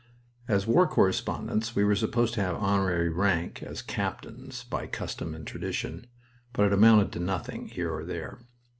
XV As war correspondents we were supposed to have honorary rank as captains, by custom and tradition but it amounted to nothing, here or there.